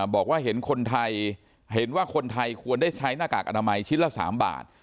บอกว่าเห็นคนไทยเห็นว่าคนไทยควรได้ใช้หน้ากากอนามัยชิ้นละ๓บาท